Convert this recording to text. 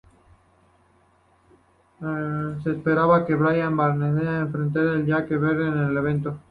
Se esperaba que Bryan Barberena se enfrentara a Jake Ellenberger en el evento.